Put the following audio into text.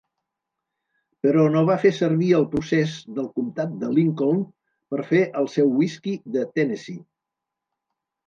Però no va fer servir el procés del comtat de Lincoln per fer el seu whiskey de Tennessee.